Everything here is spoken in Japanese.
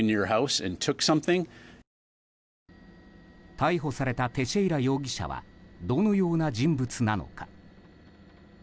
逮捕されたテシェイラ容疑者はどのような人物なのか。